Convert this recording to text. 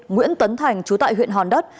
nguyễn tuấn thành chú tại huyện hòn đất